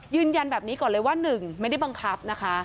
ยืนยันแบบนี้ก่อนเลยว่า๑ไม่ได้บังคับนะคะ